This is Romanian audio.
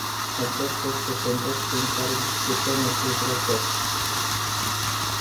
Acesta este contextul în care discutăm acest raport.